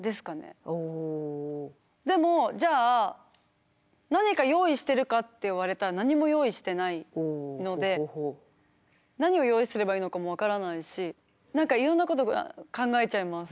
でもじゃあ何か用意してるかって言われたら何も用意してないので何を用意すればいいのかも分からないし何かいろんなこと考えちゃいます。